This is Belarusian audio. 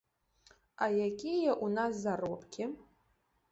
А якія ў нас заробкі?